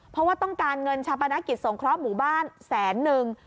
เพราะว่าต้องการเงินชาปนกิจสงเคราะห์หมู่บ้านแสนนึง